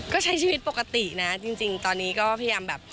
ก็ใช้ชีวิตปกตินะจริงตอนนี้ก็พยายามแบบ